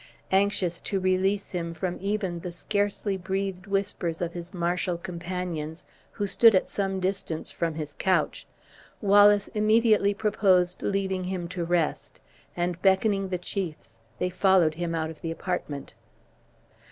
Anxious to release him from even the scarcely breathed whispers of his martial companions, who stood at some distance from his couch, Wallace immediately proposed leaving him to rest, and beckoning the chiefs, they followed him out of the apartment.